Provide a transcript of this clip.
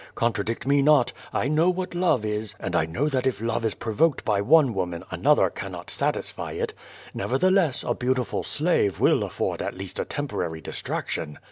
Contradict me not. I know what love is, and I know that if love is pro voked by one woman another cannot satisfy it. Nevertheless, a beautiful slave will afford at least a temporary distraction."